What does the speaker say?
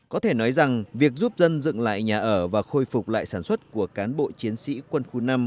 có thể nói rằng việc giúp dân dựng lại nhà ở và khôi phục lại sản xuất của cán bộ chiến sĩ quân khu năm